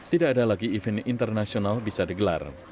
tidak ada lagi event internasional bisa digelar